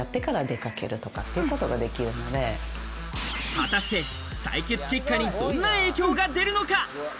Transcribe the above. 果たして採血結果にどんな影響が出るのか？